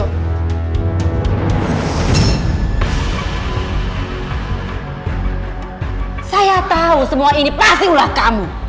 saya tahu semua ini pasti ulah kamu